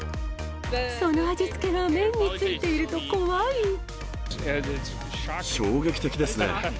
その味付けが麺についている衝撃的ですね。